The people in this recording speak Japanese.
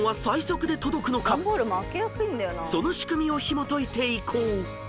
［その仕組みをひもといていこう］